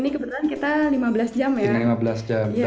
cuma kalau tahun ini kebetulan kita lima belas jam ya